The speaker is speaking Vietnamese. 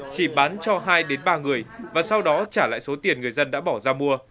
chỉ bán cho hai ba người và sau đó trả lại số tiền người dân đã bỏ ra mua